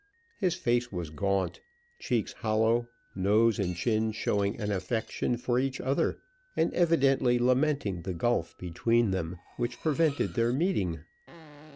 His face was gaunt, cheeks hollow, nose and chin showing an affection for each other, and evidently lamenting the gulf between them which prevented their meeting.